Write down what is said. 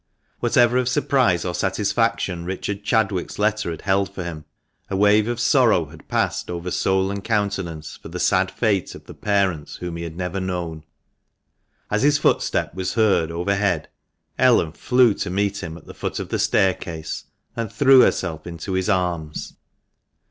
Whatever of surprise or satisfaction Richard Chadwick's letter had held for him, a wave of sorrow had passed over soul and countenance for the sad fate of the parents whom he had never known. As his footstep was heard overhead, Ellen flew to meet him at the foot of the staircase, and threw herself into his arms.